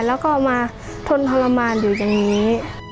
แล้วก็มาทนทรมานอยู่อย่างนี้